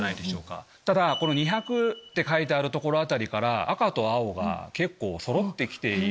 ただ２００って書いてある所辺りから赤と青がそろって来ている。